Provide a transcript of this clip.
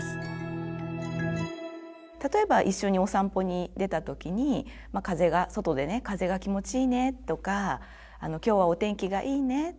例えば一緒にお散歩に出た時に外でね「風が気持ちいいね」とか「今日はお天気がいいね」とか。